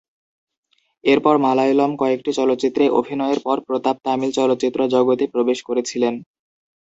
এরপর মালয়ালম কয়েকটি চলচ্চিত্রে অভিনয়ের পর প্রতাপ তামিল চলচ্চিত্র জগতে প্রবেশ করেছিলেন।